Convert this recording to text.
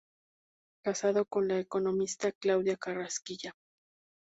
Casado con la economista Claudia Carrasquilla.